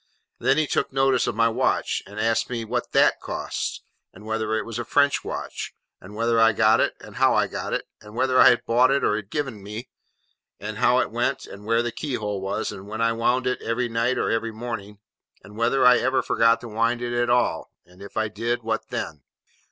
Then he took notice of my watch, and asked me what that cost, and whether it was a French watch, and where I got it, and how I got it, and whether I bought it or had it given me, and how it went, and where the key hole was, and when I wound it, every night or every morning, and whether I ever forgot to wind it at all, and if I did, what then?